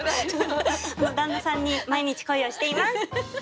旦那さんに毎日恋をしています！